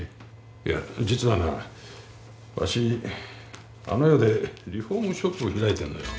いや実はなわしあの世でリフォームショップを開いてんのよ